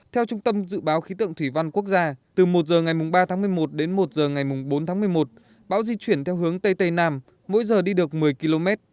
theo trung tâm dự báo khí tượng thủy văn quốc gia từ một h ngày ba tháng một mươi một đến một h ngày bốn tháng một mươi một bão di chuyển theo hướng tây tây nam mỗi giờ đi được một mươi km